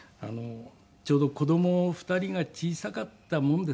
ちょうど子供２人が小さかったもんですからね。